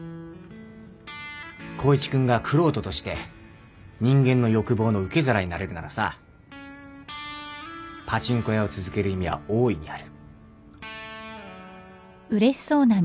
光一君が玄人として人間の欲望の受け皿になれるならさパチンコ屋を続ける意味は大いにある